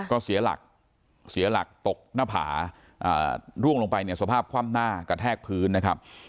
ก็เสียหลักเสียหลักตกหน้าผาร่วงลงไปเนี่ยสภาพคว่ำหน้ากระแทกพื้นนะครับ